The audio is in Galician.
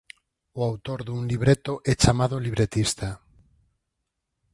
O autor dun libreto é chamado libretista.